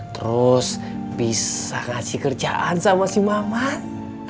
terus bisa ngasih kerjaan sama si maman